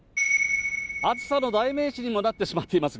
暑さの代名詞にもなってしまっています